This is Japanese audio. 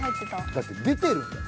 だって出てるんだもん。